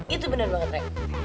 itu bener banget re